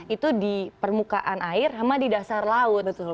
itu di permukaan air sama di dasar laut betul